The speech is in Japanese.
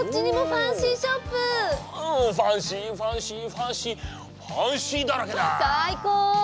最高！